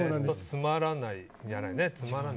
つまらないじゃないね。